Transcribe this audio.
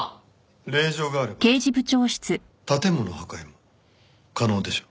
令状があれば建物破壊も可能でしょう？